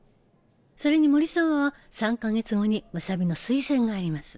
それに森さんは３か月後に武蔵美の推薦があります。